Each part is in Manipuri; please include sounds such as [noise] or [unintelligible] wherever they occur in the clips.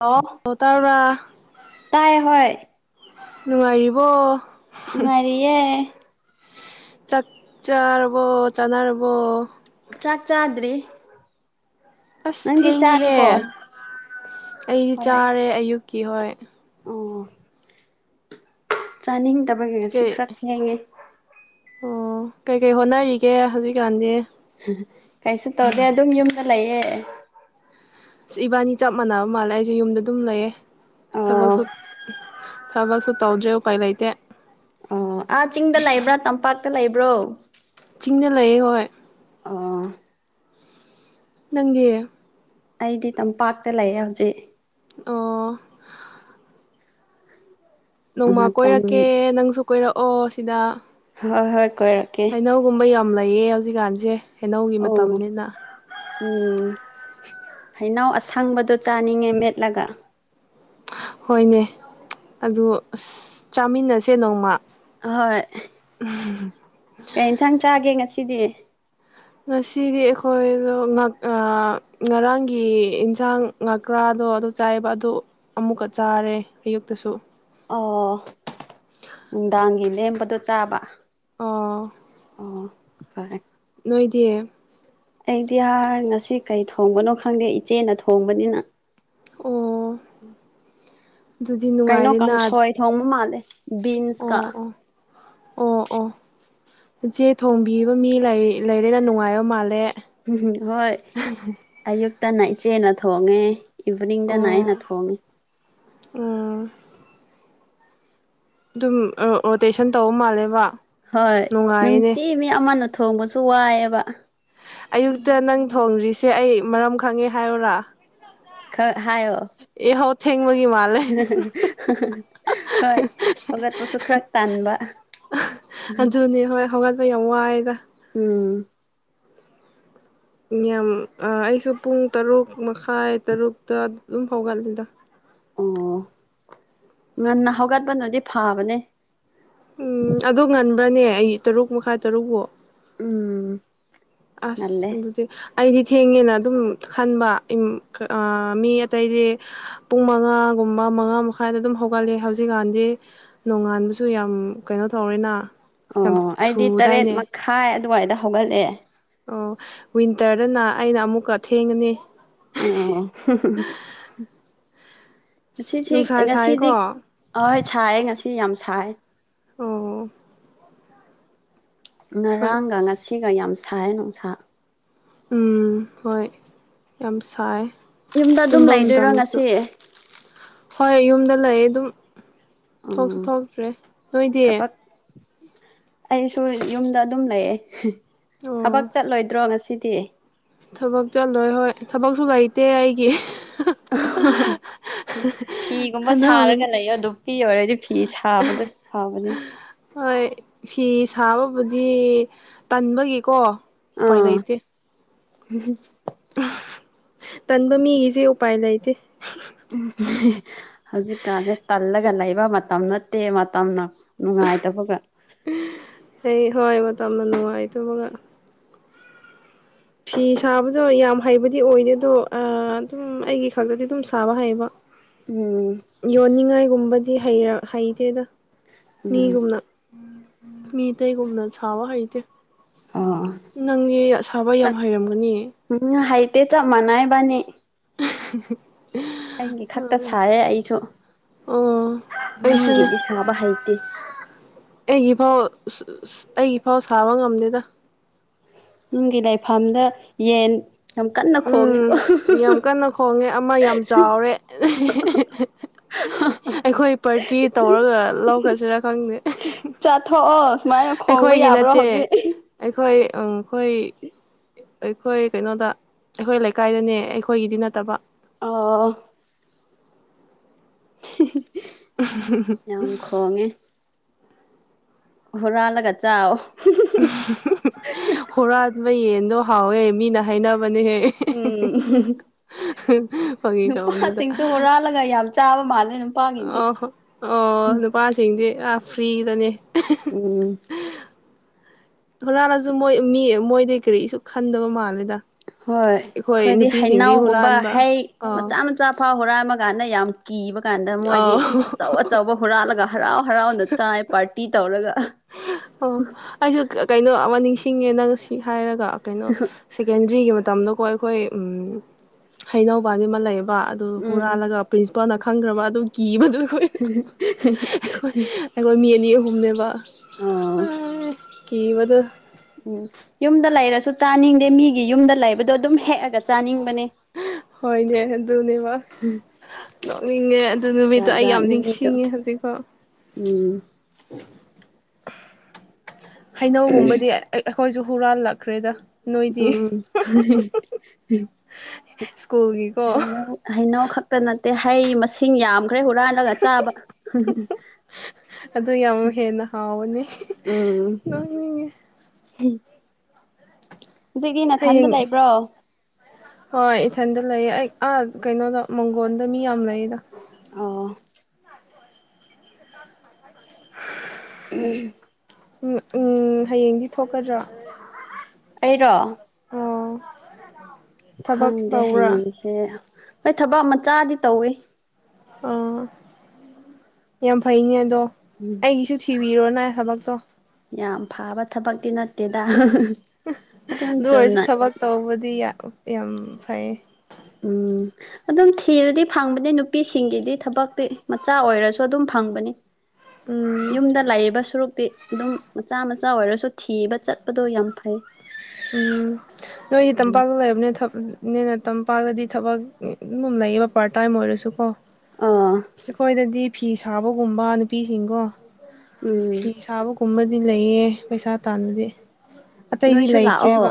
ꯍꯂ ꯑꯣ ꯇꯥꯕ꯭ꯔꯥ ꯇꯥꯏ ꯍ ꯅꯨꯡꯉꯥꯏꯔꯤꯕꯣ ꯃꯔꯤꯦ ꯆꯥꯛ ꯆꯥꯔꯕꯣ ꯆꯥꯟꯅꯔꯕꯣ ꯆꯥꯛ ꯆꯥꯗ꯭ꯔꯤ ꯑꯁ ꯅꯪꯗꯤ ꯊꯦꯡꯉꯤꯍꯦ ꯆꯥꯔꯕꯣ ꯑꯩꯗꯤ ꯍꯣꯏ ꯆꯥꯔꯦ ꯑꯌꯨꯛꯀꯤ ꯍꯣꯏ ꯑꯣ ꯆꯥꯅꯤꯡꯗꯕꯒꯤ ꯉꯁꯤ ꯀꯩ ꯈꯔ ꯊꯦꯡꯉꯦ ꯑꯣ ꯀꯩꯀꯩ ꯍꯣꯠꯅꯔꯤꯒꯦ ꯍꯧꯖꯤꯛꯀꯥꯟꯗꯤ ꯀꯩꯁꯨ ꯇꯧꯗꯦ ꯑꯗꯨꯝ ꯌꯨꯝꯗ ꯂꯩꯌꯦ ꯏꯕꯥꯅꯤ ꯆꯞ ꯃꯥꯟꯅꯕ ꯃꯥꯜꯂꯦ ꯑꯩꯁꯦ ꯌꯨꯝꯗ ꯑꯗꯨꯝ ꯂꯩꯌꯦ ꯑꯣ ꯊꯕꯛꯁꯨ ꯊꯕꯛꯁꯨ ꯇꯧꯗ꯭ꯔꯦ ꯎꯄꯥꯏ ꯂꯩꯇꯦ ꯑꯣ ꯑꯥ ꯆꯤꯡꯗ ꯂꯩꯕ꯭ꯔꯥ ꯇꯝꯄꯥꯛꯇ ꯂꯩꯕ꯭ꯔꯣ ꯆꯤꯡꯗ ꯂꯩꯌꯦꯦ ꯍꯣꯏ ꯑ ꯅꯪꯒꯤꯌꯦ ꯑꯩꯗꯤ ꯇꯝꯄꯥꯛꯇ ꯂꯩꯌꯦꯦ ꯍꯧꯖꯤꯛ ꯑꯣ ꯅꯣꯡꯃ ꯃꯇꯝ ꯀꯣꯏꯔꯛꯀꯦ ꯅꯪꯁꯨ ꯀꯣꯏꯔꯛꯑꯣ ꯁꯤꯗ ꯍꯣꯏ ꯍꯣꯏ ꯀꯣꯏꯔꯛꯀꯦ ꯍꯩꯅꯧꯒꯨꯝꯕ ꯌꯥꯝ ꯂꯩꯌꯦ ꯍꯧꯖꯤꯛꯀꯥꯟꯁꯦ ꯍꯩꯅꯧꯒꯤ ꯑꯣ ꯃꯇꯝꯅꯤꯅ ꯎꯝ ꯍꯩꯅꯎ ꯑꯁꯪꯕꯗ ꯆꯥꯅꯤꯡꯉꯦ ꯃꯦꯠꯂꯒ ꯍꯣꯏꯅꯦ ꯑꯗꯨ ꯑ ꯆꯥꯃꯤꯟꯅꯁꯦ ꯅꯣꯡꯃ ꯍꯣꯏ ꯎꯝ ꯀꯩ ꯏꯟꯁꯥꯡ ꯆꯥꯒꯦ ꯉꯁꯤꯗꯤ ꯉꯁꯤꯗꯤ ꯑꯩꯈꯣꯏꯗ ꯉꯔꯥꯡꯒꯤ ꯏꯟꯁꯥꯡ ꯉꯀ꯭ꯔꯥ ꯑꯗꯣ ꯑꯗꯨ ꯆꯥꯏꯕ ꯑꯗꯨ ꯑꯃꯨꯛꯀ ꯆꯥꯔꯦ ꯑꯌꯨꯛꯇꯁꯨ ꯑꯣ ꯅꯨꯡꯗꯥꯡꯒꯤ ꯂꯦꯝꯕꯗꯣ ꯆꯥꯕ ꯑ ꯑꯣ ꯐꯔꯦ ꯅꯣꯏꯗꯤꯌꯦ ꯑꯩꯗꯤ ꯉꯁꯤ ꯀꯩ ꯊꯣꯡꯕꯅꯣ ꯈꯪꯗꯦ ꯏꯆꯦꯅ ꯊꯣꯡꯕꯅꯤꯅ ꯑꯣ ꯎꯝ ꯑꯗꯨꯗꯤ ꯀꯩꯅꯣ ꯅꯨꯡꯉꯥꯏꯔꯦꯅ ꯑꯣ ꯀꯥꯡꯁꯣꯏ ꯊꯣꯡꯕ ꯃꯥꯜꯂꯦ ꯕꯤꯟꯁꯀ ꯑꯣ ꯑꯣ ꯑꯣ ꯏꯆꯦ ꯊꯣꯡꯕꯤꯕ ꯃꯤ ꯂꯩꯔꯦꯅ ꯅꯨꯡꯉꯥꯏꯕ ꯃꯥꯜꯂꯦ ꯝ ꯍꯣꯏ ꯑꯌꯨꯛꯇꯅ ꯏꯆꯦꯅ ꯊꯣꯡꯉꯦ ꯏꯚꯅꯤꯡꯗ ꯅꯅꯥꯏ ꯅ ꯊꯣꯡꯒꯦ ꯑ ꯑꯗꯨꯝ ꯔꯣꯇꯦꯁꯟ ꯇꯧꯕ ꯃꯥꯜꯂꯦꯕ ꯍꯣꯏ ꯅꯨꯡꯉꯥꯏꯌꯦꯅꯦ ꯅꯨꯡꯇꯤ ꯃꯤ ꯑꯃꯅ ꯊꯣꯡꯕꯁꯨ ꯋꯥꯏꯑꯦꯕ ꯑꯌꯨꯛꯇ ꯅꯪ ꯊꯣꯡ꯭ꯔꯤꯁꯦ ꯑꯩ ꯃꯔꯝ ꯈꯪꯉꯦ ꯍꯥꯏꯔꯔꯥ ꯈ ꯍꯥꯏꯣ ꯊꯦꯡꯕꯒꯤ ꯃꯥꯜꯂꯦ ꯍꯣꯏ ꯍꯒꯠ ꯄꯆ ꯈꯔꯛ ꯇꯥꯟꯕ ꯋꯥ ꯑꯗꯨꯅꯤ ꯍꯣꯏ ꯍꯧꯒꯠꯄ ꯌꯥꯝ ꯋꯥꯏꯑꯦꯗ ꯎꯝ ꯌꯥꯝ ꯑꯩꯁꯨ ꯄꯨꯡ ꯇꯔꯨꯛ ꯃꯈꯥꯏ ꯇꯔꯨꯛꯇ ꯑꯗꯨꯝ ꯐꯥꯎꯒꯠꯂꯤꯗ ꯑꯣ ꯉꯟꯅ ꯍꯧꯒꯠꯄꯅꯗꯤ ꯐꯕꯅꯦ ꯑꯃꯅꯦ ꯑꯩ ꯇꯔꯨꯛ ꯃꯈꯥ ꯇꯔꯨꯛꯐꯥꯎ ꯎꯝ ꯑꯁ ꯉꯜꯂꯦ ꯑꯗꯨꯗꯤ ꯑꯩꯗꯤ ꯊꯦꯡꯉꯦꯅ ꯑꯗꯨꯝ ꯈꯟꯕ ꯃꯤ ꯑꯇꯩꯗꯤ ꯄꯨꯡ ꯃꯉꯥꯒꯨꯝꯕ ꯑꯃ ꯃꯉꯥ ꯃꯈꯥꯏꯗ ꯑꯗꯨꯝ ꯍꯧꯒꯠꯂꯦ ꯍꯧꯖꯤꯛꯀꯥꯟꯗꯤ ꯅꯣꯡꯉꯥꯟꯕꯁꯨ ꯌꯥꯝ ꯀꯩꯅꯣ ꯇꯧꯔꯦꯅ ꯌꯥꯝ ꯑꯣ ꯑꯩꯗꯤ ꯇꯔꯦꯠ ꯊꯨꯗꯥꯏꯅꯦ ꯃꯈꯥꯏ ꯑꯗꯨꯋꯥꯏꯗ ꯍꯧꯒꯠꯂꯑꯦ ꯑꯣ ꯋꯤꯟꯇꯔꯗꯅ ꯑꯩꯅ ꯑꯃꯨꯛꯀ ꯊꯦꯡꯒꯅꯤ ꯑꯣ ꯉꯁꯤꯁꯤ ꯅꯨꯡꯁꯥ ꯉꯁꯤꯗꯤ ꯁꯥꯏꯀꯣ ꯑꯣꯏ ꯁꯥꯏ ꯉꯁꯤ ꯌꯥꯝ ꯁꯥꯏ ꯑꯣ ꯍꯣꯏ ꯉꯔꯥꯡꯒ ꯉꯁꯤꯒ ꯌꯥꯝ ꯁꯥꯏ ꯅꯨꯡꯁꯥ ꯎꯝ ꯍꯣꯏ ꯌꯥꯝ ꯁꯥꯏ ꯌꯨꯝꯗ ꯑꯗꯨꯝ ꯇꯨꯝꯕ ꯂꯩꯗꯣꯏꯔꯣ ꯃꯇꯝꯁꯨ ꯉꯁꯤ ꯍꯣꯏ ꯌꯨꯝꯗ ꯂꯩ ꯑꯗꯨꯝ ꯊꯣꯛꯁꯨ ꯎꯝ ꯊꯣꯛꯇ꯭ꯔꯦ ꯅꯣꯏꯗꯤ ꯊꯕꯛ ꯑꯩꯁꯨ ꯌꯨꯝꯗ ꯑꯗꯨꯝ ꯂꯩꯑꯦ ꯊꯕꯛ ꯑꯣ ꯆꯠꯂꯣꯏꯗ꯭ꯔꯣ ꯉꯁꯤ ꯇꯦ ꯊꯕꯛ ꯆꯠꯂꯣꯏ ꯍꯣꯏ ꯊꯕꯛꯁꯨ ꯂꯩꯇꯦ ꯑꯩꯒꯤ ꯑ ꯐꯤꯒꯨꯝꯕ ꯑꯗꯨꯝ ꯁꯥꯔꯒ ꯂꯩꯣ ꯑꯗꯨꯄꯤ ꯑꯣꯏꯔꯗꯤ ꯐꯤ ꯁꯥꯕꯗ ꯐꯕꯅꯦ ꯍꯣꯏ ꯐꯤ ꯁꯥꯕꯕꯨꯗꯤ ꯇꯟꯕꯒꯤꯀꯣ ꯑꯥ ꯄꯥꯏꯂꯗꯤ [inaudible] ꯇꯟꯕ ꯃꯤꯒꯤꯁꯦ ꯎꯄꯥꯏ ꯂꯩꯇꯦ ꯍꯧꯖꯤꯛꯀꯥꯟꯁ ꯇꯜꯂꯒ ꯂꯩꯕ ꯃꯇꯝ ꯅꯠꯇꯦ ꯃꯇꯝꯅ ꯅꯨꯡꯉꯥꯏ ꯅꯨꯡꯉꯥꯏꯇꯕꯒ ꯑꯩ ꯍꯣꯏ ꯃꯇꯝꯅ ꯅꯨꯡꯉꯥꯏꯇꯕꯒ ꯐꯤ ꯁꯥꯕꯗꯣ ꯌꯥꯝ ꯍꯩꯕꯗꯤ ꯑꯣꯏꯗꯦ ꯑꯗꯣ ꯑꯗꯨꯝ ꯑꯩꯒꯤ ꯈꯛꯇꯗꯤ ꯑꯗꯨꯝ ꯁꯥꯕ ꯍꯩꯕ ꯎꯝ ꯌꯣꯟꯅꯤꯡꯉꯥꯏꯒꯨꯝꯕꯗꯤ ꯍꯩꯇꯦꯗ ꯎꯝ ꯃꯤꯒꯨꯝꯅ ꯃꯤꯇꯩꯒꯨꯝꯅ ꯁꯥꯕ ꯍꯩꯇꯦ ꯑꯣ ꯅꯪꯗꯤ ꯑ ꯁꯥꯥꯕ ꯌꯥꯝ ꯆꯞ ꯍꯩꯔꯝꯒꯅꯤ ꯎꯝ ꯍꯥꯏꯩꯇꯦ ꯆ ꯃꯅꯥꯏꯕꯥꯅꯦ [unintelligible] ꯑꯩꯒꯤ ꯈꯛꯇ ꯁꯥꯏꯌꯦ ꯑꯩꯁꯨ ꯑꯣ ꯑꯩꯁꯨꯅꯦ ꯃꯤꯒꯦꯗꯤ ꯁꯥꯕ ꯍꯥꯏꯥꯏꯇꯦ ꯑꯩꯒꯤ ꯐꯥꯎ ꯑꯩꯒꯤ ꯐꯥꯎ ꯁꯥꯕ ꯉꯝꯗꯦꯗ ꯅꯨꯡꯒꯤ ꯂꯩꯐꯝꯗ ꯌꯦꯟ ꯌꯥꯝ ꯀꯟꯅ ꯎꯝ ꯈꯣꯡꯉꯤꯀꯣ ꯌꯥꯝ ꯀꯟꯅ ꯈꯣꯡꯉꯦ ꯑꯃ ꯌꯥꯝ ꯆꯥꯎꯔꯦ ꯑꯩꯈꯣꯏ ꯄꯥꯔꯇꯤ ꯇꯧꯔꯒ ꯂꯧꯈ꯭ꯔꯁꯤꯔꯥ ꯈꯪꯗꯦ ꯆꯥꯊꯣꯛꯑꯣ ꯁꯨꯃꯥꯏꯅ ꯈꯣꯡꯕ ꯑꯩꯈꯣꯏꯒꯤ ꯌꯥꯕ꯭ꯔꯣ ꯅꯠꯇꯦ ꯍꯧꯖꯤꯛ ꯑꯩꯈꯣꯏ ꯑꯩꯈꯣꯏ ꯑꯩꯈꯣꯏ ꯀꯩꯅꯣꯗ ꯑꯩꯈꯣꯏ ꯂꯩꯀꯥꯏꯗꯅꯦ ꯑꯩꯈꯣꯏꯒꯤꯗꯤ ꯅꯠꯇꯕ ꯑ ꯌꯥꯝ ꯈꯣꯡꯉꯦ ꯍꯔꯂꯒ ꯆ ꯍꯨꯔꯥꯕ ꯌꯦꯟꯗꯣ ꯍꯥꯎꯋꯦ ꯃꯤꯅ ꯍꯩꯅꯅꯕ ꯅꯦꯍꯦ ꯎꯝ ꯐꯪꯉꯤ ꯇꯑꯣꯅꯗ ꯅꯨꯄꯥꯁꯤꯡꯁꯨ ꯍꯨꯔꯥꯜꯂꯒ ꯌꯥꯝ ꯆꯥꯕ ꯃꯥꯜ ꯑꯣ ꯑꯣ ꯅꯨꯄꯥꯁꯤꯡꯗꯤ ꯑ ꯐ꯭ꯔꯤꯗꯅꯦ ꯎꯝ ꯍꯅꯥꯅꯁꯨ ꯃꯣꯏ ꯃꯤ ꯃꯣꯏꯗꯤ ꯀꯔꯤꯁꯨ ꯈꯟꯗꯕ ꯃꯥꯜꯂꯦꯗ ꯍꯣꯏ ꯑꯩꯈꯣꯏ ꯑꯩꯈꯣꯏꯗꯤ ꯅꯨꯄꯤꯁꯤꯡꯗꯤ ꯍꯩꯩꯅꯎꯒꯨꯝꯕ ꯍꯨꯔꯥꯟꯕ ꯍꯩ ꯑꯥ ꯃꯆꯥ ꯃꯆꯥ ꯏꯐꯥ ꯍꯨꯔꯥꯟꯕꯃ ꯀꯥꯟꯗ ꯌꯥꯝ ꯀꯤꯕ ꯀꯥꯟꯗ ꯃꯣꯏꯗꯤ ꯑꯥ ꯑꯆꯧ ꯑꯆꯧꯕ ꯍꯨꯔꯥꯜꯂꯒ ꯍꯔꯥꯎ ꯍꯔꯥꯎꯗ ꯆꯥꯏ ꯄꯥꯔꯇꯤ ꯇꯧꯔꯒ ꯑꯣ ꯑꯩꯁꯨ ꯀꯩꯅꯣ ꯑꯃ ꯅꯤꯡꯁꯤꯡꯉꯦꯅ ꯁꯤ ꯍꯥꯏꯔꯒ ꯀꯩꯅꯣ ꯁꯦꯀꯦꯟꯗ꯭ꯔꯤꯒꯤ ꯃꯇꯝꯗꯀꯣ ꯑꯩꯈꯣꯏ ꯍꯩꯅꯧꯕꯥꯒꯤ ꯑꯃ ꯂꯩꯌꯦꯕ ꯑꯗꯨ ꯎꯝ ꯍꯨꯔꯥꯜꯂꯒ ꯏꯄꯥꯅ ꯈꯪꯈ꯭ꯔꯕ ꯑꯗꯨ ꯀꯤꯕꯗꯨꯈꯣꯏ ꯑꯩꯈꯣꯏ ꯃꯤ ꯑꯅꯤ ꯑꯍꯨꯝꯅꯦꯕ ꯑ ꯀꯕꯗꯨ ꯎꯝ ꯌꯨꯝꯗ ꯂꯩꯔꯁꯨ ꯆꯥꯅꯤꯡꯗꯦ ꯃꯤꯒꯤ ꯌꯨꯝꯗ ꯂꯩꯕꯗꯣ ꯑꯗꯨꯝ ꯍꯦꯛꯑꯒ ꯆꯥꯅꯤꯡ ꯍꯣꯏꯅꯦ ꯑꯗꯨꯅꯦꯕ ꯅꯣꯛꯅꯤꯡꯉꯦ ꯑꯗꯨ ꯅꯨꯃꯤꯠꯇꯣ ꯖꯥꯠ ꯑꯩ ꯌꯥꯝ ꯖꯥꯠꯅꯦ ꯃꯤꯁꯨ ꯅꯤꯡꯁꯤꯡꯉꯦ ꯍꯧꯖꯤꯛꯐꯥꯎ ꯎꯝ ꯍꯩꯅꯧꯒꯨꯝꯕꯗꯤ ꯑꯩꯈꯣꯏꯁꯨ ꯍꯨꯔꯥꯜꯂꯛꯈ꯭ꯔꯦꯗ ꯅꯣꯏꯗꯤ ꯑ ꯁ꯭ꯀꯨꯜꯒꯤꯀꯣ ꯍꯩꯅꯧ ꯍꯩꯅꯧ ꯈꯛꯇ ꯅꯠꯇꯦ ꯍꯩ ꯃꯁꯤꯡ ꯌꯥꯝ ꯀꯈ꯭ꯔꯦ ꯍꯨꯔꯥꯟꯂꯒ ꯆꯥꯕ ꯑꯗꯨ ꯌꯥꯝ ꯍꯦꯟꯅ ꯍꯥꯎꯕꯅꯤ ꯎꯝ ꯅꯣꯛꯅꯤꯡꯉꯦ ꯍꯧꯖꯤꯛꯀꯤ ꯅꯥꯊꯟꯗ ꯍꯌꯦꯡ ꯂꯩꯕ꯭ꯔꯣ ꯍꯣꯏ ꯏꯊꯟꯗ ꯂꯩꯌꯦ ꯑꯩ ꯑꯥ ꯀꯩꯅꯣꯗ ꯃꯪꯒꯣꯟꯗ ꯃꯤ ꯌꯥꯝ ꯂꯩꯗ ꯑꯣ ꯎ ꯎꯝ ꯎꯝ ꯎꯝ ꯍꯌꯦꯡꯗꯤ ꯊꯣꯛꯀꯗ꯭ꯔꯥ ꯑꯩꯔꯣ [unintelligible] ꯊꯕꯛ ꯈꯪꯗꯦ ꯇꯧꯕ꯭ꯔꯥ ꯍꯌꯦꯡꯁꯦ ꯍꯣꯏ ꯊꯕꯛ ꯃꯆꯥꯗꯤ ꯇꯧꯋꯤ ꯑ ꯌꯥꯝ ꯐꯩꯅꯦ ꯑꯗꯣ ꯎꯝ ꯑꯩꯒꯤꯁꯨ ꯊꯤꯕ ꯕꯤꯔꯣꯅ ꯁꯃꯛ ꯇꯣ ꯌꯥꯝ ꯐꯕ ꯊꯕꯛꯇꯤ ꯅꯠꯇꯦꯗ ꯑꯗꯨꯝ ꯑꯗꯨ ꯑꯣꯏꯔꯁꯨ ꯆꯨꯝꯅ ꯊꯕꯛ ꯇꯧꯕꯗꯤ ꯌꯥꯝ ꯐꯩ ꯎꯝ ꯑꯗꯨꯝ ꯊꯤꯔꯗꯤ ꯐꯪꯕꯅꯤ ꯅꯨꯄꯤꯁꯤꯡꯒꯤꯗꯤ ꯊꯕꯛꯇꯤ ꯃꯆꯥ ꯑꯣꯏꯔꯁꯨ ꯑꯗꯨꯝ ꯐꯪꯕꯅꯤ ꯎꯝ ꯌꯨꯝꯗ ꯂꯥꯛꯏꯕ ꯁꯨꯔꯨꯛꯇꯤ ꯑꯗꯨꯝ ꯃꯆꯥ ꯃꯆꯥ ꯑꯣꯏꯔꯁꯨ ꯊꯤꯕ ꯆꯠꯄꯗꯣ ꯌꯥꯝ ꯐꯩ ꯎꯝ ꯅꯣꯏꯒꯤ ꯇꯝꯄꯥꯛꯇ ꯂꯩꯔꯕꯅꯦꯕꯅꯦ ꯃꯇꯝ ꯄꯥꯡꯂꯗꯤ ꯊꯕꯛ ꯑꯗꯨꯝ ꯂꯩꯌꯦꯕ ꯄꯥꯔꯠ ꯇꯥꯏꯝ ꯑꯣꯏꯔꯁꯨꯀꯣ ꯑꯥ ꯑꯩꯈꯣꯏꯗꯗꯤ ꯐꯤ ꯁꯥꯕꯒꯨꯝꯕ ꯅꯨꯄꯤꯁꯤꯡꯒꯣ ꯎꯝ ꯐꯤ ꯁꯥꯕꯒꯨꯝꯕ ꯗꯤ ꯂꯩꯌꯦ ꯄꯩꯁꯥ ꯇꯥꯅꯗꯤ ꯑꯇꯩꯗꯤ ꯅꯣꯏꯁꯨ ꯂꯥꯛꯑꯣ ꯂꯩꯇ꯭ꯔꯦꯕ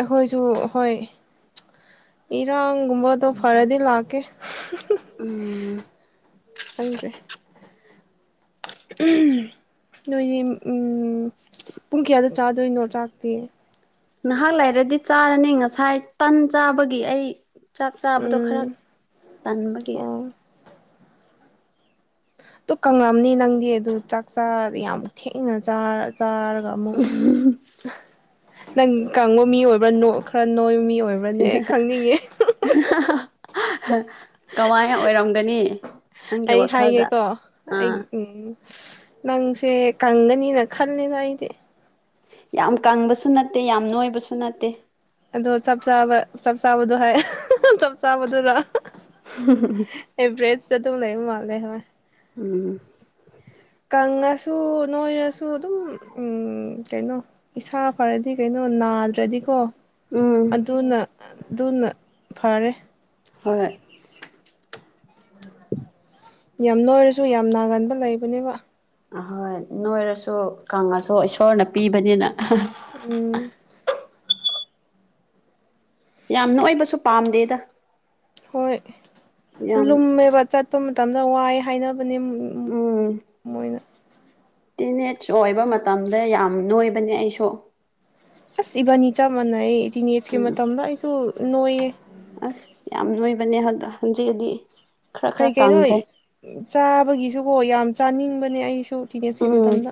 ꯑꯩꯈꯣꯏꯁꯨ ꯍꯣꯏ ꯏꯔꯣꯪꯒꯨꯝꯕꯗꯣ ꯐꯔꯗꯤ ꯂꯀꯦ ꯎꯝ ꯍꯪꯗꯦ ꯅꯣꯏꯗꯤ ꯎꯝ ꯄꯨꯡ ꯀꯌꯥꯗ ꯆꯥꯗꯣꯏꯅꯣ ꯆꯥꯛꯇꯤ ꯅꯍꯥꯛ ꯂꯩꯔꯗꯤ ꯆꯥꯔꯅꯤ ꯉꯁꯥꯏ ꯇꯟ ꯆꯥꯕꯒꯤ ꯑꯩ ꯆꯥꯛ ꯆꯥꯕꯗꯣ ꯈꯔ ꯎꯝ ꯇꯟꯥꯟꯕꯒꯤ ꯑꯣ ꯑꯗꯨ ꯀꯪꯉꯝꯅꯤ ꯅꯪꯗꯤ ꯑꯗꯨ ꯆꯥꯛ ꯆ ꯌꯥꯝ ꯊꯦꯡꯅ ꯆꯥ [unintelligible] ꯅꯪ ꯀꯥꯡꯕ ꯃꯤ ꯑꯣꯏꯕ꯭ꯔꯥ ꯈꯔ ꯅꯣꯏꯕ ꯃꯤ ꯑꯣꯏꯕ [inaudible] ꯀꯃꯥꯏꯅ ꯑꯣꯏꯔꯝꯒꯅꯤ ꯅꯪꯒꯤ ꯑꯩ ꯋꯥꯈꯜꯗ ꯍꯥꯏꯒꯦꯀꯣ ꯑꯩ ꯑꯥ ꯎꯝ ꯅꯪꯁꯦ ꯀꯪꯒꯅꯤꯅ ꯈꯜꯂꯦꯅ ꯑꯩꯗꯤ ꯌꯥꯝ ꯀꯪꯕꯁꯨ ꯅꯠꯇꯦ ꯌꯥꯝ ꯅꯣꯏꯕꯁꯨ ꯅꯠꯇꯦ ꯑꯗꯨꯗ ꯆꯞ ꯆꯥꯕ ꯆꯞ ꯆꯕꯗꯨ ꯍꯥꯏ ꯆꯞ ꯆꯕꯗꯨꯔ [unintelligible] ꯇꯨꯝ ꯂꯩ ꯃꯥꯥꯡꯂꯦ ꯍꯥꯏ ꯎꯝ ꯅꯪꯉꯁꯨ ꯅꯣꯏꯔꯁꯨ ꯑꯗꯨꯝ ꯎ ꯀꯩꯅꯣ ꯏꯁꯥ ꯐꯔꯗꯤ ꯀꯩꯅꯣ ꯅꯥ ꯌꯥꯗ꯭ꯔꯗꯤꯀꯣ ꯎꯝ ꯑꯗꯨꯅ ꯑꯗꯨꯅ ꯐꯔꯦ ꯍꯣꯏ ꯌꯥꯝ ꯅꯣꯏꯔꯁꯨ ꯌꯥꯝ ꯅꯥꯒꯟꯕ ꯂꯩꯕꯅꯦꯕ ꯑꯍꯣꯏ ꯅꯣꯏꯔꯁꯨ ꯀꯪꯂꯪꯉꯁꯨ ꯏꯁꯣꯔꯅ ꯄꯤꯕꯅꯤꯅ ꯎꯝ ꯌꯥꯝ ꯅ ꯑꯣꯏꯕꯁꯨ ꯄꯥꯝꯗꯦꯗ ꯍꯣꯏ ꯌꯥꯝ ꯂꯨꯝꯃꯦꯕ ꯆꯠꯄ ꯃꯇꯝꯗ ꯋꯥꯏ ꯍꯥꯏꯅꯕ ꯃ ꯃꯣꯏꯅ ꯇꯤꯟ ꯑꯦꯖ ꯑꯣꯏꯕ ꯃꯇꯝꯗ ꯌꯥꯝ ꯅꯣꯏꯕꯅꯦ ꯑꯩꯁꯨ ꯑꯁ ꯏꯕꯥꯅꯤ ꯆꯞ ꯃꯥꯟꯅꯩ ꯇꯤꯟ ꯑꯦꯖꯀꯤ ꯎꯝ ꯃꯇꯝꯗ ꯑꯩꯁꯨ ꯅꯣꯏꯌꯦ ꯑꯁ ꯌꯥꯝ ꯂꯣꯏꯕꯅꯦ ꯑꯗ ꯍꯧꯟꯖꯤꯛꯗꯤ ꯀꯩ ꯀꯩꯅꯣ ꯆꯥꯕꯒꯤꯁꯨꯀꯣ ꯌꯥꯝ ꯆꯥꯅꯤꯡꯕꯅꯦ ꯑꯩꯁꯨ ꯇꯤꯅꯦꯖꯀꯤ ꯎꯝ ꯃꯇꯝꯗ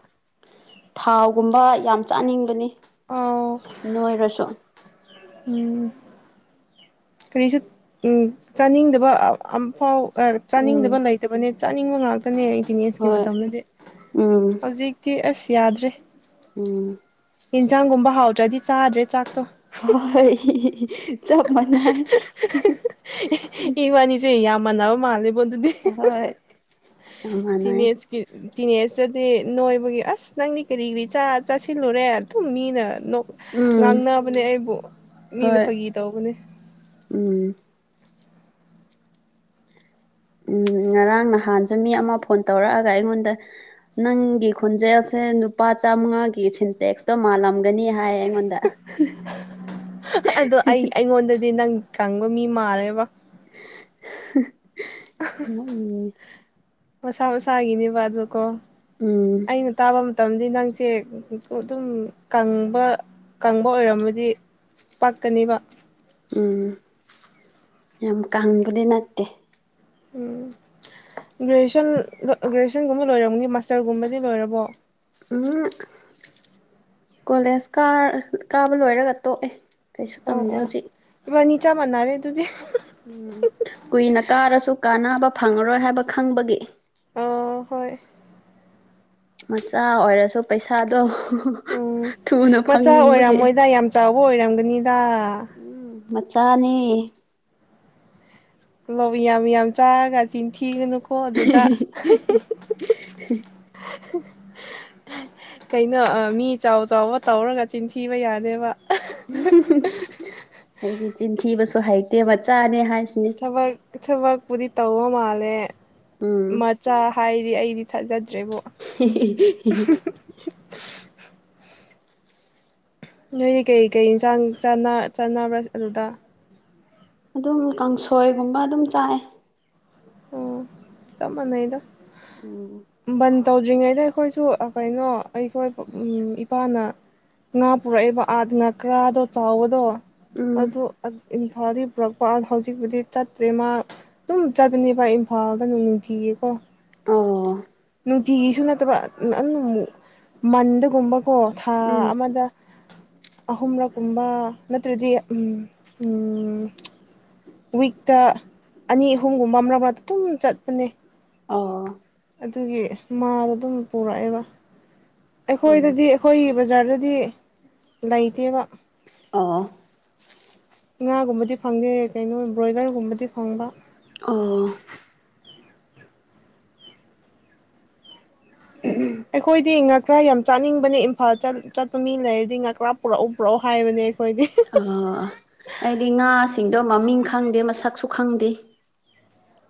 ꯊꯥꯎꯒꯨꯝꯕ ꯌꯥꯝ ꯆꯥꯅꯤꯡꯕꯅꯤ ꯑꯣꯥꯎ ꯅꯣꯏꯔꯁꯨ ꯎ ꯀꯔꯤꯁꯨ ꯎꯝ ꯆꯥꯅꯤꯡꯗꯕ ꯑꯐꯥꯎ ꯎꯝ ꯆꯥꯅꯤꯡꯗꯕ ꯂꯩꯇꯕꯅꯦ ꯆꯥꯅꯤꯡꯕ ꯉꯥꯛꯇ ꯆꯠꯅꯤ ꯑꯩꯇꯤꯟ ꯑꯦꯖꯀꯤ ꯍꯣꯏ ꯃꯇꯝꯗꯗꯤ ꯎꯝ ꯍꯧꯖꯤꯛꯇꯤ ꯑꯁ ꯌꯥꯗ꯭ꯔꯦ ꯎꯝ ꯌꯦꯟꯖꯥꯡꯒꯨꯝꯕ ꯍꯥꯎꯗ꯭ꯔꯗꯤ ꯆꯥꯗ꯭ꯔꯦ ꯆꯥꯛꯇꯣ ꯍꯣꯏ ꯆꯞ ꯃꯅ ꯃꯅꯥꯕ ꯃꯥ ꯂꯩꯕꯣꯗꯨꯗꯤ ꯆꯞ ꯇ ꯃꯥꯟꯅꯩ ꯑꯦꯖ ꯑꯦꯖ ꯑ ꯅꯣꯏꯕꯒꯤ ꯑꯁ ꯅꯪꯗꯤ ꯀꯔꯤ ꯀꯔꯤ ꯆꯥꯁꯤꯜꯂꯨꯔꯦ ꯑꯗꯨꯝ ꯃꯤꯅ ꯎꯝ ꯉꯥꯡꯅꯕꯅꯦ ꯑꯩꯕꯨ ꯃꯤꯅ ꯍꯣꯏ ꯐꯥꯒꯤ ꯇꯧꯕꯅꯦ ꯎꯝ ꯎꯝ ꯉꯔꯥꯡ ꯅꯍꯥꯟꯁꯨ ꯃꯤ ꯑꯃ ꯐꯣꯟ ꯇꯧꯔꯛꯑꯒ ꯑꯩꯉꯣꯟꯗ ꯅꯪꯒꯤ ꯈꯣꯟꯖꯦꯜꯁꯤ ꯅꯨꯄꯥ ꯆꯥꯃꯉꯥꯒꯤ ꯁꯤꯟꯇꯦꯛꯁꯇꯣ ꯃꯥꯜꯂꯝꯒꯅꯤ ꯍꯥꯏꯌꯦ ꯑꯗꯣ ꯑꯩ ꯑꯩꯉꯣꯟꯗꯗꯤ ꯅꯪ ꯀꯪꯕ ꯃꯤ ꯃꯥꯜꯂꯦꯕ ꯎ ꯃꯁꯥ ꯃꯁꯥꯒꯤꯅꯦꯕ ꯑꯗꯨ ꯀꯣ ꯎꯝ ꯑꯩꯅ ꯇꯥꯕ ꯃꯇꯝꯗꯤ ꯅꯪꯁꯦ ꯑꯗꯨꯝ ꯀꯪꯕ ꯀꯪꯕ ꯑꯣꯏꯔꯝꯃꯗꯤ ꯄꯀꯅꯤ ꯋꯥ ꯎꯝ ꯌꯥꯝ ꯀꯪꯕꯗꯤ ꯅꯠꯇꯦ ꯎꯝ ꯒ꯭ꯔꯦꯖꯨꯋꯦꯁꯟ ꯒ꯭ꯔꯦꯖꯨꯋꯦꯁꯟꯒꯨꯝꯕ ꯂꯣꯏꯔꯝꯅꯤ ꯃꯥꯁꯇꯔꯒꯨꯝꯕꯗꯤ ꯂꯣꯏꯔꯕꯣ ꯎꯝ ꯀꯣꯂꯦꯖ ꯀꯥꯕ ꯂꯣꯏꯔꯒ ꯇꯣꯛꯑꯦ ꯀꯩꯁꯨ ꯑꯣ ꯇꯝꯗꯦ ꯑꯣ ꯍꯧꯖꯤꯛ ꯏꯕꯥꯅꯤ ꯆꯞ ꯃꯥꯟꯅꯔꯦ ꯑꯗꯨꯗꯤ ꯎꯝ ꯀꯨꯏꯅ ꯀꯥꯔꯁꯨ ꯀꯥꯟꯅꯕ ꯐꯪꯉꯔꯣꯏ ꯍꯥꯏꯕ ꯈꯪꯕꯒꯤ ꯑꯍꯣꯏ ꯃꯆꯥ ꯑꯣꯏꯔꯁꯨ ꯄꯩꯁꯥꯗꯣ ꯎꯝ ꯊꯨꯅ ꯃꯆꯥ ꯐꯪꯅꯤꯡꯕꯒꯤ ꯑꯣꯏꯔꯝꯃꯣꯏꯗ ꯌꯥꯝ ꯆꯥꯎꯕ ꯑꯣꯏꯔꯝꯒꯅꯤꯗ ꯎꯝ ꯃꯆꯥꯅꯤ ꯂꯋ ꯌꯥꯝ ꯌꯥꯝ ꯆꯥꯒꯒꯥ ꯆ ꯊꯤꯒ [unintelligible] ꯀꯩꯅꯣ ꯃꯤ ꯆꯥꯎ ꯆꯥꯎꯕ ꯇꯧꯔꯒ ꯆꯤꯟꯊꯤꯕ ꯌꯥꯗꯦꯕ ꯑꯩꯗꯤ ꯆꯤꯟꯊꯤꯕꯁꯨ ꯍꯩꯇꯦ ꯃꯆꯥꯅꯦ ꯍꯥꯏ ꯊꯕꯛ ꯊꯕꯛꯄꯨꯗꯤ ꯇꯧꯕ ꯃꯥꯜꯂꯦ ꯎꯝ ꯃꯆꯥ ꯍꯥꯏꯗꯤ ꯑꯩ ꯗꯤ ꯊꯥꯖꯗ꯭ꯔꯦꯕꯣ [inaudible] ꯅꯣꯏꯗꯤ ꯀꯩꯀꯩ ꯏꯟꯁꯥꯡ ꯆꯥꯟꯅꯕ꯭ꯔꯥ ꯑꯗꯨꯗ ꯑꯗꯨꯝ ꯀꯥꯡꯁꯣꯏꯒꯨꯝꯕ ꯑꯗꯨꯝ ꯆꯥꯏ ꯑꯣ ꯆꯞ ꯃꯅꯩꯗ ꯎꯝ ꯕꯟ ꯇꯧꯗ꯭ꯔꯤꯉꯩꯗ ꯑꯩꯈꯣꯏꯁꯨ ꯀꯩꯅꯣ ꯑꯩꯈꯣꯏ ꯏꯄꯥꯅ ꯉꯥ ꯄꯨꯔꯛꯏꯕ ꯑꯥꯠ ꯉꯥ ꯀꯔꯥꯗꯣ ꯆꯥꯎꯕꯗꯣ ꯎꯝ ꯑꯗꯨ ꯏꯝꯐꯥꯜꯗꯤ ꯄꯨꯔꯛꯄ ꯍꯧꯖꯤꯛꯄꯨꯗꯤ ꯆꯠꯇ꯭ꯔꯦ ꯃꯥ ꯑꯗꯨꯝ ꯆꯠꯕꯅꯦꯕꯚ ꯏꯝꯐꯥꯜꯗꯅꯨꯡ ꯅꯨꯡꯊꯤꯌꯦ ꯀꯣ ꯑꯣ ꯅꯨꯡꯇꯤꯒꯤꯁꯨ ꯅꯠꯇꯕꯨ ꯃꯟꯗꯒꯨꯝꯕꯀꯣ ꯊꯥ ꯎꯝ ꯑꯃꯗ ꯑꯍꯨꯝꯔꯛꯀꯨꯝꯕ ꯅꯠꯇ꯭ꯔꯗꯤ ꯋꯤꯛꯇ ꯑꯅꯤ ꯑꯍꯨꯝꯒꯨꯝꯕ ꯑꯃꯛ ꯃꯔꯥꯛꯇ ꯑꯗꯨꯝ ꯆꯠꯄꯅꯦ ꯑꯥ ꯑꯗꯨꯒꯤ ꯃꯥꯗ ꯑꯗꯨꯝ ꯄꯨꯔꯛꯑꯦꯕ ꯎꯝ ꯑꯩꯈꯣꯏꯗꯗꯤ ꯑꯩꯈꯣꯏꯒꯤ ꯕꯖꯥꯔꯗꯗꯤ ꯂꯩꯇꯦꯕ ꯑ ꯉꯥꯒꯨꯝꯕꯗꯤ ꯐꯪꯗꯦ ꯀꯩꯅꯣ ꯏꯝꯕ꯭ꯔꯣꯏꯗꯔꯒꯨꯝꯕꯗꯤ ꯐꯪꯕ ꯑꯣ ꯑꯩꯈꯣꯏꯗꯤ ꯉꯥꯀ꯭ꯔꯥ ꯌꯥꯝ ꯆꯥꯅꯤꯡꯕꯅꯦ ꯏꯝꯐꯥꯜ ꯆꯠꯄ ꯃꯤ ꯂꯩꯔꯗꯤ ꯉꯥꯀ꯭ꯔꯥ ꯄꯨꯔꯛꯎ ꯄꯨꯔꯛꯎ ꯍꯥꯏꯕꯅꯦ ꯑꯩꯈꯣꯏꯗꯤ ꯑꯣ ꯑꯩꯗꯤ ꯉꯥꯁꯤꯡꯗꯣ ꯃꯃꯤꯡ ꯈꯪꯗꯦ ꯃꯁꯛꯁꯨ ꯈꯪꯗꯦ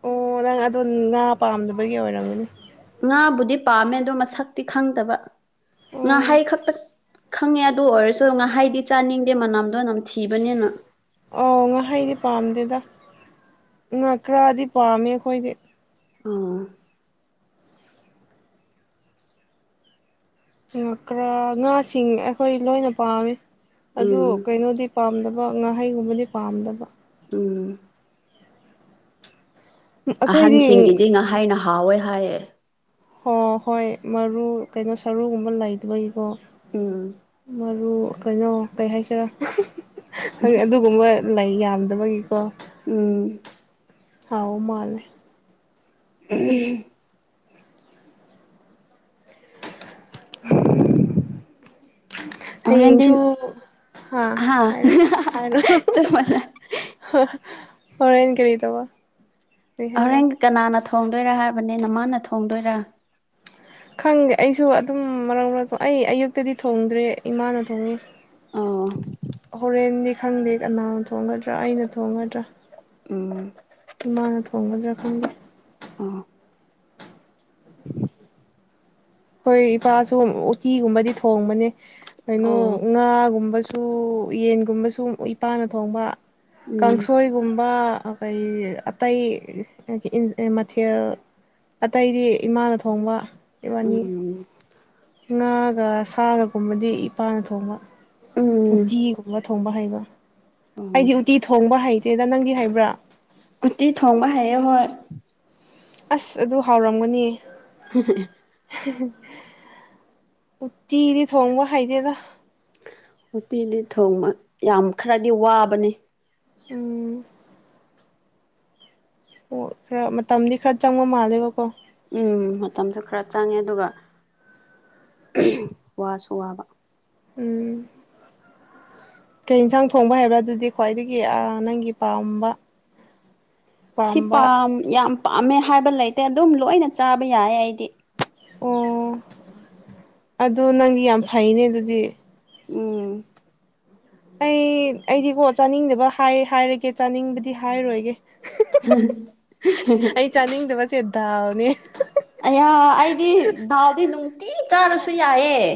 ꯑꯣ ꯅꯪ ꯑꯗꯣ ꯉꯥ ꯄꯥꯝꯗꯕꯒꯤ ꯑꯣꯏꯔꯝꯒꯅꯤ ꯉꯥꯕꯨꯗꯤ ꯄꯥꯝꯃꯦ ꯑꯗꯣ ꯃꯁꯛꯇꯤ ꯈꯪꯗꯕ ꯉꯥ ꯑꯣ ꯍꯩ ꯈꯛꯇ ꯈꯪꯉꯦ ꯑꯗꯨ ꯑꯣꯏꯔꯁꯨ ꯉꯥꯏꯍꯥꯏꯗꯤ ꯆꯥꯅꯤꯡꯗꯦ ꯃꯅꯝ ꯑꯣ ꯉꯍꯩꯗꯤ ꯄꯥꯝꯗꯦꯗ ꯉ ꯈꯔꯗꯤ ꯄꯥꯝꯃꯦ ꯑꯩꯈꯣꯏꯗꯤ ꯑꯣ ꯉꯀ꯭ꯔꯥ ꯉꯥꯁꯤꯡ ꯑꯩꯈꯣꯏ ꯂꯣꯏꯅ ꯄꯥꯝꯃꯤ ꯑꯗꯨ ꯎꯝ ꯀꯩꯅꯣꯗꯤ ꯄꯥꯝꯗꯕ ꯉꯥꯍꯩꯒꯨꯝꯕꯗꯤ ꯄꯥꯝꯗꯕ ꯆ ꯑꯩꯈꯣꯏꯗꯤ ꯑꯍꯟꯁꯤꯡꯒꯤꯗꯤ ꯉꯥꯏꯍꯥꯏꯅ ꯍꯥꯎꯋꯦ ꯍꯥꯏꯌꯦꯦ ꯍꯣ ꯍꯣꯏ ꯃꯔꯨ ꯀꯩꯅꯣ ꯁꯔꯨꯒꯨꯝꯕ ꯂꯩꯗꯒꯤꯀꯣ ꯎꯝ ꯃꯔꯨ ꯑꯗꯨ ꯀꯩꯅꯣ ꯀꯩ ꯍꯥꯏꯁꯤꯔ ꯑꯗꯨꯒꯨꯝꯕ ꯂꯩ ꯌꯥꯝꯗꯕꯒꯤꯀꯣ ꯎꯝ ꯑꯥꯎ ꯑꯣ ꯃꯥꯅꯦ ꯎꯝ ꯎꯝ ꯍꯣꯔꯦꯟꯗꯤ ꯍꯌꯦꯡꯁꯨ ꯍꯥꯥ ꯍꯥ ꯍꯥꯏꯔꯣ ꯍꯥꯏꯔꯣ ꯆꯞ ꯃꯥꯟꯅꯩ ꯑꯣꯔꯦꯟꯖ ꯀꯔꯤꯗꯕ ꯍꯣꯔꯦꯟ ꯀꯅꯥꯅ ꯊꯣꯡꯗꯣꯏꯔꯥ ꯍꯥꯏꯕꯅꯤ ꯅꯃꯥꯅ ꯊꯣꯡꯗꯣꯏꯔꯥ ꯈꯪꯗꯦ ꯑꯩꯁꯨ ꯑꯗꯨꯝ ꯃꯔꯛ ꯃꯔꯥꯡ ꯑꯩ ꯑꯌꯨꯛꯇꯗꯤ ꯊꯣꯡꯗ꯭ꯔꯦ ꯏꯃꯥꯅ ꯊꯣꯡꯉꯤ ꯑꯣ ꯍꯣꯔꯦꯟꯅꯤ ꯈꯪꯗꯦ ꯀꯅꯥꯅ ꯊꯣꯡꯒꯗ꯭ꯔꯥ ꯑꯩꯅ ꯊꯣꯡꯒꯗ꯭ꯔꯥ ꯎꯝ ꯏꯃꯥꯅ ꯊꯣꯡꯒꯗ꯭ꯔꯥ ꯈꯪꯗꯦ ꯑꯣ ꯍꯣꯏ ꯏꯄꯥꯁꯨ ꯎꯇꯤꯒꯨꯝꯕꯗꯤ ꯊꯣꯡꯕꯅꯦ ꯀꯩꯅꯣ ꯑꯣ ꯉꯥꯒꯨꯝꯕꯁꯨ ꯌꯦꯟꯒꯨꯝꯕꯁꯨ ꯏꯄꯥꯅ ꯊꯣꯡꯕ ꯎꯝ ꯀꯥꯡꯁꯣꯏꯒꯨꯝꯕ ꯑꯩꯣꯏ ꯑꯇꯩ ꯃꯊꯦꯜ ꯑꯇꯩꯗꯤ ꯏꯃꯥꯅ ꯊꯣꯡꯕ ꯏꯕꯥꯅꯤ ꯎꯝ ꯉꯥꯒ ꯁꯥꯒꯒꯨꯝꯕꯗꯤ ꯏꯄꯥꯅ ꯊꯣꯡꯕ ꯎꯝ ꯎꯇꯤꯒꯨꯝꯕ ꯊꯣꯡꯕ ꯍꯩꯕ ꯑꯣ ꯑꯩꯗꯤ ꯎꯇꯤ ꯊꯣꯡꯕ ꯍꯩꯇꯦꯗ ꯅꯪꯗꯤ ꯍꯩꯕ꯭ꯔꯥ ꯎꯠꯇꯤ ꯊꯣꯡꯕ ꯍꯥꯏꯑꯦ ꯍꯣꯏ ꯑꯁ ꯑꯗꯨ ꯍꯥꯎꯔꯝꯒꯅꯤ [unintelligible] ꯎ ꯎꯆꯠꯇꯤꯗꯤ ꯊꯣꯡꯉꯕ ꯍꯥꯏꯥꯏꯗꯦ ꯎꯇꯤꯗꯤ ꯊꯣꯡꯕ ꯌꯥꯝ ꯈꯔꯗꯤ ꯋꯥꯕꯅꯤ ꯎꯝ ꯑꯣ ꯈꯔ ꯃꯇꯝꯗꯤ ꯈꯔ ꯆꯪꯕ ꯃꯥꯜꯂꯦꯕꯀꯣ ꯎꯝ ꯃꯇꯝꯁꯨ ꯈꯔ ꯆꯪꯉꯦ ꯑꯗꯨꯒ ꯋꯥꯁꯨ ꯋꯥꯕ ꯎꯝ ꯀꯩ ꯌꯦꯟꯁꯥꯡ ꯊꯣꯡꯕ ꯍꯥꯏꯕ꯭ꯔꯥ ꯑꯗꯨꯗꯤ ꯈ꯭ꯋꯥꯏꯗꯒꯤ ꯅꯪꯒꯤ ꯄꯥꯝꯕ ꯁꯤ ꯄꯥꯝꯕ ꯌꯥꯝ ꯄꯥꯝꯃꯦ ꯍꯥꯏꯕ ꯂꯩꯇꯦ ꯑꯗꯨꯝ ꯂꯣꯏꯅ ꯆꯥꯕ ꯌꯥꯏ ꯑꯩꯗꯤ ꯑꯣ ꯑꯗꯨꯣ ꯅꯪꯗꯤ ꯌꯥꯝ ꯐꯩꯅꯦ ꯑꯗꯨꯗꯤ ꯎꯝ ꯑꯩ ꯑꯩꯗꯤꯀꯣ ꯆꯥꯅꯤꯡꯗꯕ ꯍꯥꯏꯔꯒꯦ ꯆꯥꯅꯤꯡꯕꯗꯤ ꯍꯥꯏꯔꯣꯏꯒꯦ [unintelligible] ꯇ ꯑꯃꯅꯤꯅꯤ ꯑꯌꯥ ꯑꯩꯗꯤ ꯗꯥꯎꯗꯤ ꯅꯨꯡꯇꯤ ꯆꯥꯔꯁꯨ ꯌꯥꯏꯌꯦꯦ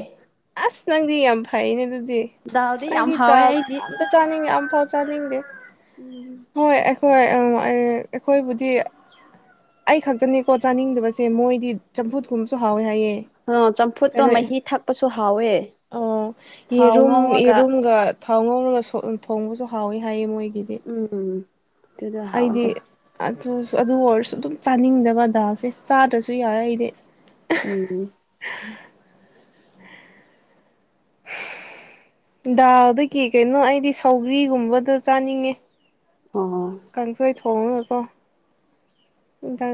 ꯑꯁ ꯅꯪꯗꯤ ꯌꯥꯝ ꯐꯩꯅꯦ ꯑꯗꯨꯗꯤ ꯗꯥꯜꯗꯤ ꯑꯁ ꯌꯥꯝ ꯑꯩꯗꯤ ꯍꯥꯎꯋꯦ ꯑꯩꯗꯤ ꯑꯇ ꯆꯥꯅꯤꯡꯉꯤ ꯌꯥꯝ ꯄꯥꯎ ꯆꯥꯅꯤꯡꯗꯦ ꯎꯝ ꯍꯣꯏ ꯑꯩꯈꯣꯏ ꯑꯩꯈꯣꯏꯕꯨꯗꯤ ꯑꯩ ꯈꯛꯇꯅꯦꯀꯣ ꯆꯥꯅꯤꯡꯗꯕꯁꯦ ꯃꯣꯏꯗꯤ ꯆꯝꯐꯨꯠ ꯀꯨꯝꯕꯁꯨ ꯍꯥꯎꯋꯦ ꯍꯥꯏꯌꯦ ꯑ ꯆꯝꯐꯨꯠꯇꯣ ꯀꯩꯅꯣ ꯃꯍꯤ ꯊꯛꯄꯁꯨ ꯍꯥꯎꯋꯦ ꯑꯣ ꯊꯥꯎ ꯌꯦꯔꯨꯝ ꯉꯧꯔꯒ ꯌꯦꯔꯨꯝꯒ ꯊꯥꯎ ꯉꯧꯔꯒ ꯊꯣꯡꯕꯁꯨ ꯍꯥꯎꯋꯤ ꯍꯥꯏꯌꯦ ꯃꯣꯏꯒꯤꯗꯤ ꯇꯗ ꯍꯋꯥꯗ ꯑꯗꯨ ꯑꯗꯨ ꯑꯣꯏꯔꯁꯨ ꯑꯗꯨꯝ ꯆꯥꯅꯤꯡꯗꯕ ꯑ ꯗꯥꯁꯦ ꯆꯥꯗ꯭ꯔꯁꯨ ꯌꯥꯏ ꯑꯩꯗꯤ ꯎꯝ [unintelligible] ꯗꯥꯗꯒꯤ ꯀꯩꯅꯣ ꯑꯩꯗꯤ ꯁꯧꯕꯒ꯭ꯔꯤꯒꯨꯝꯕꯗ ꯆꯥꯅꯤꯡꯉꯦ ꯑꯣ ꯐꯉꯀꯣ